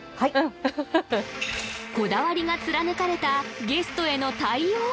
こだわりが貫かれたゲストへの対応